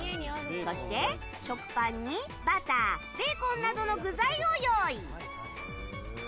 そして、食パンにバターベーコンなどの具材を用意。